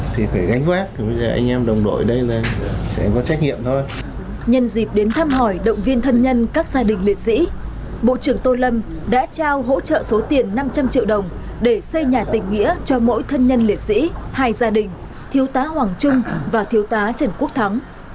nhân dịp đến thăm hỏi động viên thân nhân các gia đình liệt sĩ bộ trưởng tô lâm đã trao hỗ trợ số tiền năm trăm linh triệu đồng để xây nhà tình nghĩa cho mỗi thân nhân liệt sĩ hai gia đình thiếu tá hoàng trung và thiếu tá trần quốc thắng